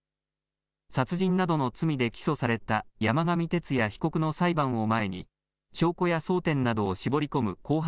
殺人などの罪で起訴された山上徹也被告の裁判を前に証拠や争点などを絞り込む公判